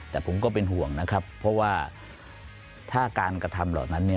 แต่ผมก็เป็นห่วงนะครับเพราะว่าถ้าการกระทำเหล่านั้นเนี่ย